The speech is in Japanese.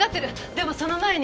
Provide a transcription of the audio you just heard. でもその前に。